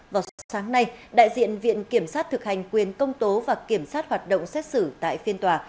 vào sáng nay đại diện viện kiểm sát thực hành quyền công tố và kiểm sát hoạt động xét xử tại phiên tòa